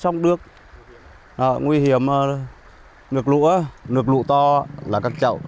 trong đường nguy hiểm nước lũ to là các cháu